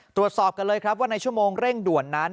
ตรวจสอบกันเลยครับว่าในชั่วโมงเร่งด่วนนั้น